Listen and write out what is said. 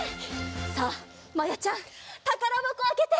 さあまやちゃんたからばこあけて。